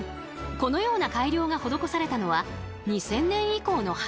このような改良が施されたのは２０００年以降の話。